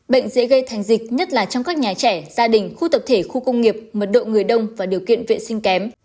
bệnh dễ gây thành dịch nhất là trong các nhà trẻ gia đình khu tập thể khu công nghiệp mật độ người đông và điều kiện vệ sinh kém